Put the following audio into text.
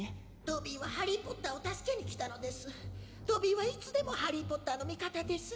ドビーはハリー・ポッターを助けに来たのですドビーはいつでもハリー・ポッターの味方です